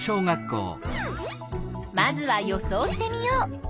まずは予想してみよう。